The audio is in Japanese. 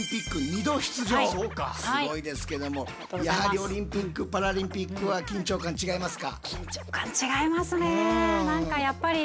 すごいですけどもやはりオリンピック・パラリンピックは緊張感違いますか？